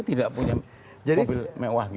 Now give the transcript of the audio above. tidak punya mobil mewah